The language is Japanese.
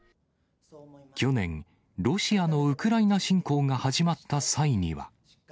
去年、ロシアのウクライナ侵攻が始まった際には。